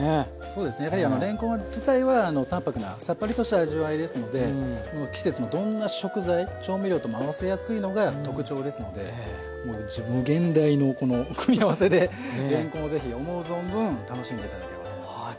そうですねやはりあのれんこん自体は淡泊なさっぱりとした味わいですので季節のどんな食材調味料とも合わせやすいのが特徴ですのでもう無限大のこの組み合わせでれんこんを是非思う存分楽しんで頂けたらと思います。